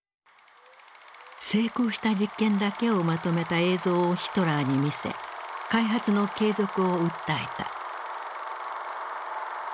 成功した実験だけをまとめた映像をヒトラーに見せ開発の継続を訴えた。